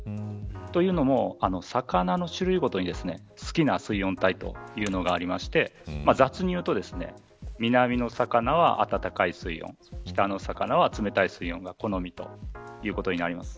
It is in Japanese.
というのも魚の種類ごとに、好きな水温帯というのがありまして雑に言うと南の魚は温かい水温北の魚は冷たい水温が好みということです。